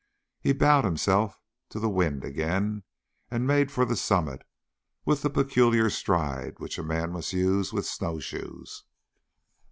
He bowed himself to the wind again and made for the summit with the peculiar stride which a man must use with snowshoes.